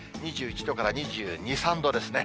２１度から２２、３度ですね。